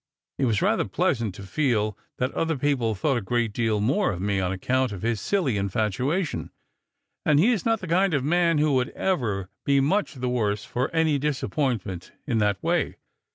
It was rather pleasant to feel that other people thought a great deal more of me on account of his Billy infatuation ; and he is not the kind of man who would ever be much tlie worse for any disappointment in that way.